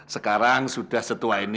sekarang sudah setua ini